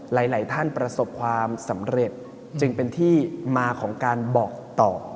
หลายท่านประสบความสำเร็จจึงเป็นที่มาของการบอกต่อ